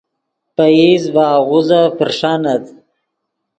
پئیز ڤے آغوزف پرݰانت